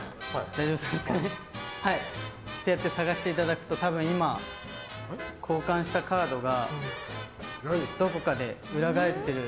探していただくと多分今、交換したカードがどこかで裏返ってる。